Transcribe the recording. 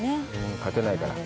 勝てないから。